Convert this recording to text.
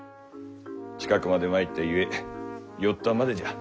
近くまで参ったゆえ寄ったまでじゃ。